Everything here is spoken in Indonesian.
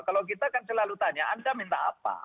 kalau kita kan selalu tanya anda minta apa